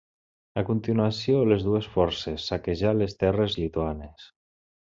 A continuació les dues forces saquejar les terres lituanes.